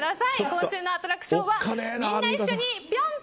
今週のアトラクションはみんな一緒にぴょん！